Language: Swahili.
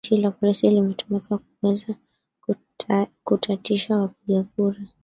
jeshi la polisi limetumika kuweza kutatisha wapiga kura